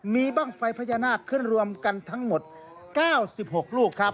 มีบ้างไฟพญานาคขึ้นรวมกันทั้งหมด๙๖ลูกครับ